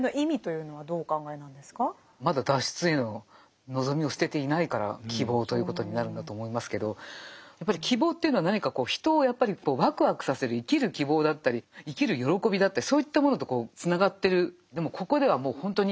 まだ脱出への望みを捨てていないから希望ということになるんだと思いますけどやっぱり希望というのは何か人をやっぱりわくわくさせる生きる希望だったり生きる喜びだったりそういったものとこうつながってる。